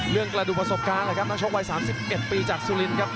เรื่องกระดูกประสบการณ์เลยครับนักชกวัย๓๑ปีจากสุรินทร์ครับ